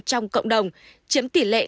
trong cộng đồng chiếm tỷ lệ tám mươi